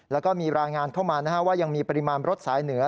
แล้วก็มีรายงานเข้ามาว่ายังมีปริมาณรถสายเหนือ